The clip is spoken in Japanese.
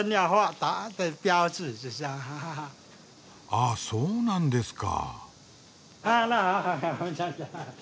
ああそうなんですか。